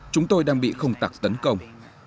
chúng tôi đang bị không tặc tấn công